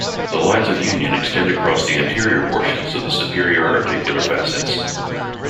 The lines of union extend across the anterior portions of the superior articular facets.